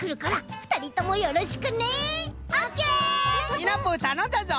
シナプーたのんだぞ！